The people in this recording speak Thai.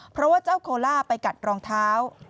เพราะว่าเจ้าโคล่าไปกัดรองเท้า